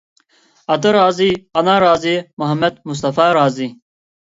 ئاتا رازى، ئانا رازى، مۇھەممەد مۇستافا رازى.